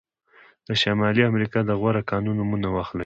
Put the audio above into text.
د شمالي امریکا د غوره کانونه نومونه واخلئ.